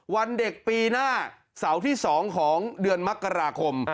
วันเด็กปีหน้าเสาร์ที่๒ของเดือนมกราคม